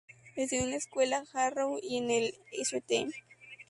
Estudió en la escuela Harrow y en el St.